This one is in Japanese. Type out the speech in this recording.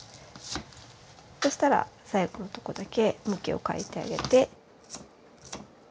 そうしたら最後のとこだけ向きを変えてあげて。